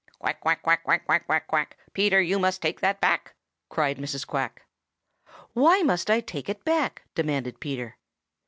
"Quack, quack, quack, quack, quack, quack, quack, Peter, you must take that back!" cried Mrs. Quack. "Why must I take it back?" demanded Peter.